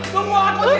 semua aku cinta